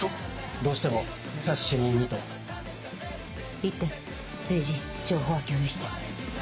どうしても武蔵主任にと。行って随時情報は共有して。